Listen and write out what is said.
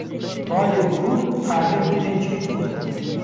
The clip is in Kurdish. Bayê kûr erdê dike çekûr